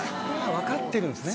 分かってるんですね。